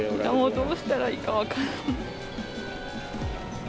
どうしたらいいか分からない。